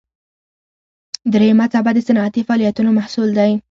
دریمه څپه د صنعتي فعالیتونو محصول دی.